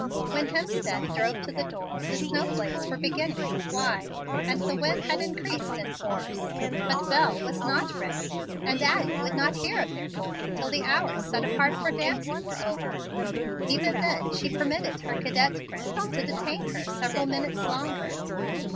When Hemstead drove to the door, the snow flakes were beginning to fly, and the wind had increased in force. But Bel was not ready, and Addie would not hear of their going till the hours set apart for dancing were over. Even then she permitted her cadet friends to detain her several minutes longer.